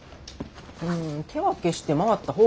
うん手分けして回った方が早いやろ。